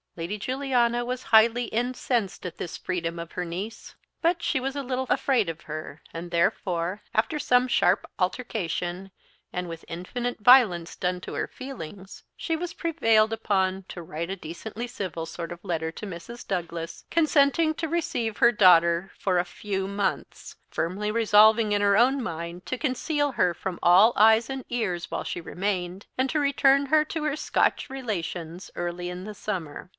Lady Juliana was highly incensed at this freedom of her niece; but she was a little afraid of her, and therefore, after some sharp altercation, and with infinite violence done to her feelings, she was prevailed upon to write a decently civil sort of a letter to Mrs. Douglas, consenting to receive her daughter for a few months; firmly resolving in her own mind to conceal her from all eyes and ears while she remained, and to return her to her Scotch relations early in the summer.